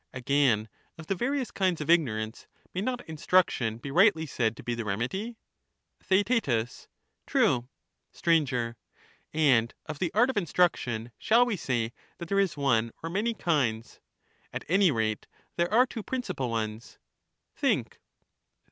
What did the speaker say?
Again, of the various kinds of ignorance, may not soul arc instruction be rightly said to be the remedy? correction *j^/ rr* and in Theaet. True. struction. Str. And of the art of instruction, shall we say that there is one or many kinds ? At any rate there are two principal ones. Think.